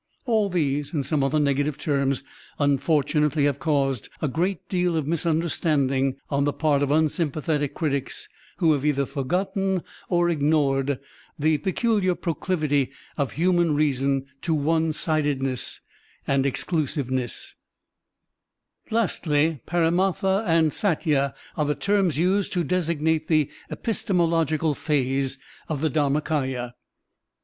All these and some other negative terms tmfortunately have caused a great deal of misimderstanding on the part of unsympathetic critics whp have either forgotten Digitized by Google 36 SERMONS OF A BUDDHIST ABBOT or ignored the pecuKar proclivity of htrnian reason to onesidedness and exclusiveness. Lastly, Paramdrtha and Satya are the terms used to designate the epistemological phase of the DharmaMya.